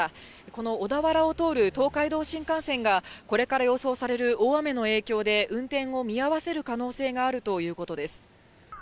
この小田原を通る東海道新幹線が、これから予想される大雨の影響で、運転を見合わせる可能性があるということです。